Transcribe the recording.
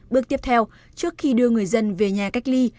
bước tiếp theo trước khi đưa người dân về nhà cách ly